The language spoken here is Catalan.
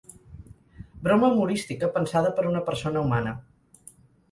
Broma humorística pensada per una persona humana.